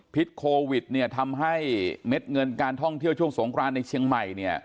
พิษโควิดทำให้เม็ดเงินการท่องเที่ยวช่วงสงกรานในเชียงใหม่